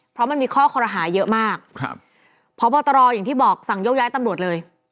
เพราะมันมีข้อคอรหาเยอะมากครับพบตรอย่างที่บอกสั่งยกย้ายตำรวจเลย